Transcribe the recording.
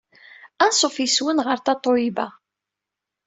Anṣuf yes-wen ɣer Tatoeba!